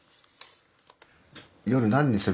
夜何にする？